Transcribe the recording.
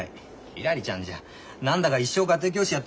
ひらりちゃんじゃ何だか一生家庭教師やってるみたいだよ。